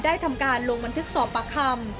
ทำการลงบันทึกสอบประคำ